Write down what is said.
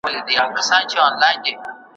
د اورګاډي پټلۍ جوړول د صنعت مهمه برخه ده.